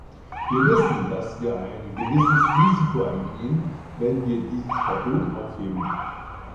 Wir wissen, dass wir ein gewisses Risiko eingehen, wenn wir dieses Verbot aufheben.